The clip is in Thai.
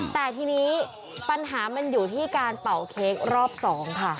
แต่ทีนี้ปัญหามันอยู่ที่การเป่าเค้กรอบ๒ค่ะ